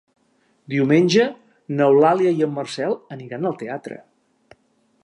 Diumenge n'Eulàlia i en Marcel aniran al teatre.